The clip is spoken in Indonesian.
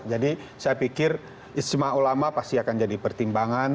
jadi saya pikir istimewa ulama pasti akan jadi pertimbangan